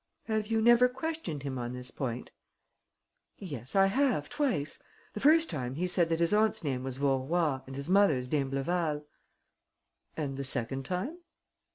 "Have you never questioned him on this point?" "Yes, I have, twice. The first time, he said that his aunt's name was Vaurois and his mother's d'Imbleval." "And the second time?"